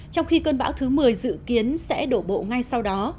trong khi cơn bão thứ một mươi dự kiến sẽ đổ bộ ngay sau đó